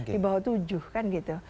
di bawah tujuh kan gitu